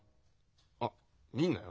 あっ見るなよ。